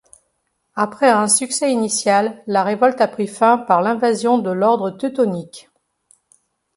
Après un succès initial, la révolte a pris fin par l'invasion de l'ordre Teutonique.